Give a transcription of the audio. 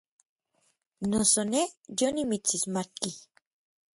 Noso nej yonimitsixmatki.